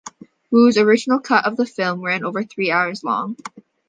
Woo's original cut of the film ran over three hours long.